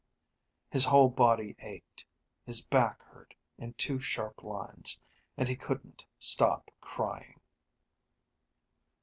His whole body ached, his back hurt in two sharp lines, and he couldn't stop crying.